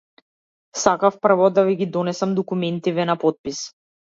Сакав прво да ви ги донесам документиве на потпис.